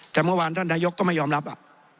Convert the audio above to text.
แต่เมื่อวานท่านนายกก็ไม่ยอมรับอ่ะ